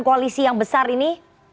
koalisi yang besar ini